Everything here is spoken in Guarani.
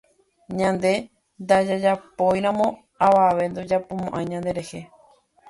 Ñande ndajajapóiramo avave ndojapomoʼãi ñanderehe.